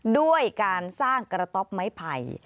ด้วยการสร้างกระต๊อบไม้ไผ่